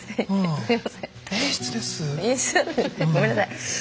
ごめんなさいはい。